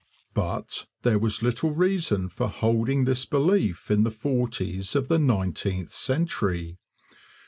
But there was little reason for holding this belief in the forties of the nineteenth century.